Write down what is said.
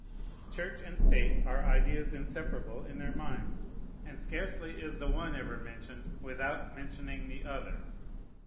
Church and State are ideas inseparable in their minds, and scarcely is the one ever mentioned without mentioning the other.